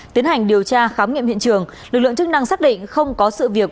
tiến hành điều tra khám nghiệm hiện trường lực lượng chức năng xác định không có sự việc